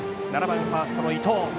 ７番ファーストの伊藤。